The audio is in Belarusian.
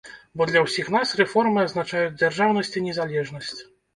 Бо для ўсіх нас рэформы азначаюць дзяржаўнасць і незалежнасць.